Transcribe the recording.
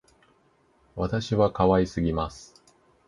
私は可愛すぎます